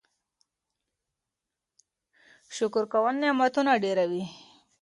شکر کول نعمتونه ډېروي.